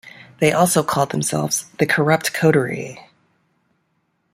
They also called themselves the "Corrupt Coterie".